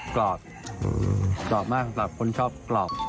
กรอบกรอบมากสำหรับคนชอบกรอบ